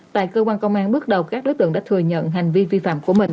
tại cơ quan công an bước đầu các đối tượng đã thừa nhận hành vi vi phạm của mình